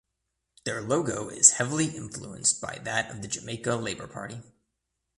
Their logo is heavily influenced by that of the Jamaica Labour Party.